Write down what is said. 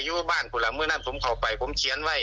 อยู่บ้านกูหลังมือนั้นผมเข้าไปผมเขียนไว้